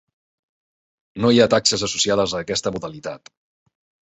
No hi ha taxes associades a aquesta modalitat.